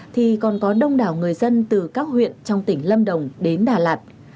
thì còn có đông đảo người dân từ các huyện trong tỉnh lâm đồng đến đà lạt